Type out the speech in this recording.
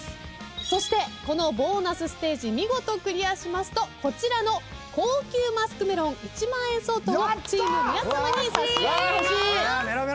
そしてこのボーナスステージ見事クリアしますとこちらの高級マスクメロン１万円相当をチーム皆さまに差し上げます。